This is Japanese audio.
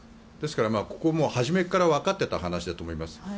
ですから、はじめから分かっていた話だと思います。